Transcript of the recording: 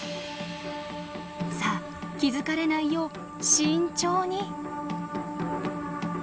さあ気付かれないよう慎重に。